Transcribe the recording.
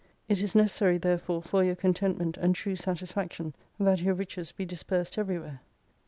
It is necessary therefore for your contentment and true satisfaction, that your riches be dispersed everywhere.